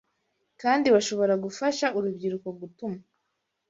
kandi bashobora gufasha urubyiruko gutuma